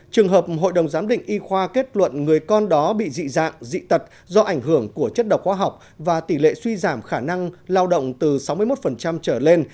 trường hợp hội đồng giám định y khoa kết luận người con đó bị dị dạng dị tật do ảnh hưởng của chất độc khoa học và tỷ lệ suy giảm khả năng lao động từ sáu mươi một trở lên